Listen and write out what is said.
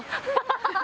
ハハハハ！